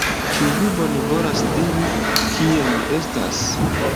Ĉu vi bonvolas diri, kie mi estas?